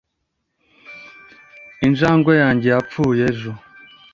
Injangwe yanjye yapfuye ejo